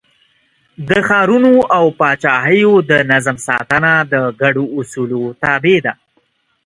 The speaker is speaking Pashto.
د ښارونو او پاچاهیو د نظم ساتنه د ګډو اصولو تابع ده.